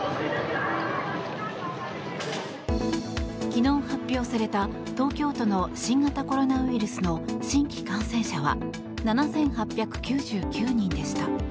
昨日発表された東京都の新型コロナウイルスの新規感染者は７８９９人でした。